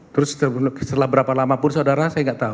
terus setelah berapa lamapun saudara saya gak tahu